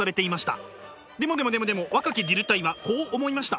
でもでもでもでも若きディルタイはこう思いました。